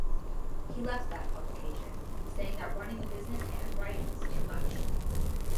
He left that publication, saying that Running a business and writing is too much.